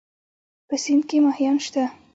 په سيند کې مهيان شته؟